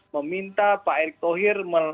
meminta pak erick tohir